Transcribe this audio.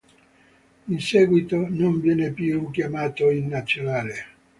In seguito non viene più chiamato in nazionale.